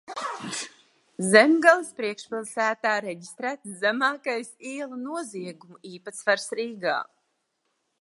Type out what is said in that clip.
Zemgales priekšpilsētā reģistrēts zemākais ielu noziegumu īpatsvars Rīgā.